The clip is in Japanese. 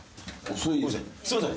すみません。